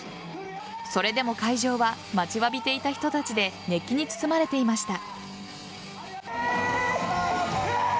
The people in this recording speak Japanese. それでも会場は待ちわびていた人たちで熱気に包まれていました。